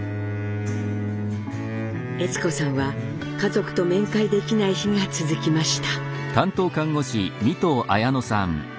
悦子さんは家族と面会できない日が続きました。